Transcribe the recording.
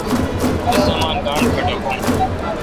می سامان گاݨڈ پٹکون۔